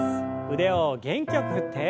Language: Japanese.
腕を元気よく振って。